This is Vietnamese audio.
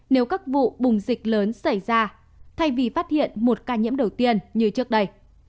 nếu các vụ bùng dịch lớn xảy ra thay vì phát hiện một ca nhiễm đầu tiên như trước đây